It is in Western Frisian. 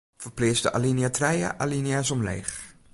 Ferpleats de alinea trije alinea's omleech.